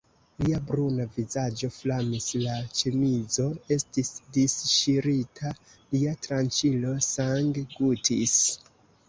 Lia bruna vizaĝo flamis, la ĉemizo estis disŝirita, lia tranĉilo sanggutis.